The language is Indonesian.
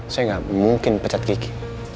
saya gak mungkin pencet kiki